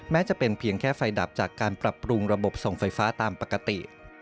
แม้จะเป็นเพียงแค่ไฟดับจากการปรับปรุงระบบส่งไฟฟ้าตามปกติ